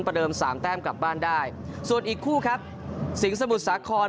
เดิมสามแต้มกลับบ้านได้ส่วนอีกคู่ครับสิงหมุทรสาคร